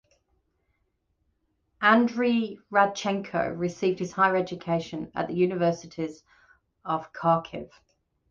Andriy Radchenko received his higher education at the universities of Kharkiv.